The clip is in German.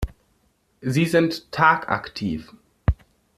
Sie sind tagaktiv.